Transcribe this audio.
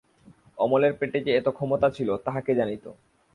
অমলের পেটে যে এত ক্ষমতা ছিল তাহা কে জানিত।